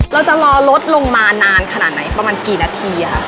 เราจะรอรถลงมานานขนาดไหนประมาณกี่นาทีค่ะ